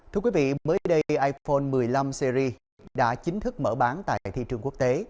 thưa quý vị mới đây iphone một mươi năm series đã chính thức mở bán tại thị trường quốc tế